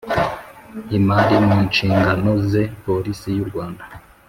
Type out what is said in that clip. imari mu nshingano ze Polisi y u Rwanda